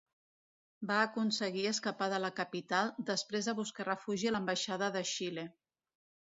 Va aconseguir escapar de la capital després de buscar refugi en l'Ambaixada de Xile.